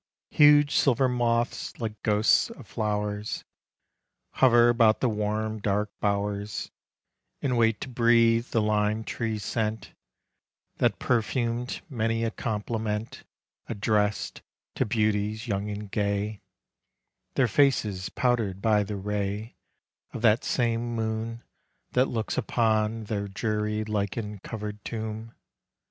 Huge silver moths, like ghosts of flowers Hover about the warm dark bowers And wait to breathe the lime tree scent That perfum'd many a compliment Address 'd to beauties young and gay, 17 Pierrot Old. Their faces powdered by the ray Of that same moon that looks upon Their dreary lichen cover'd tomb.